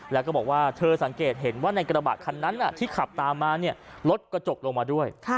แล้วก็บอกว่าเธอสังเกตเห็นว่าในกระบะคันนั้นที่ขับตามมารถกระจกลงมาด้วย